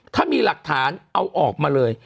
ถ้ามีหลักฐานเอาออกมาเลย